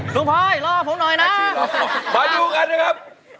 ลูกพร้อมรอผมหน่อยนะครับมาดูกันนะครับ